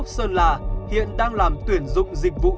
trung ảnh đã bị bắt giữ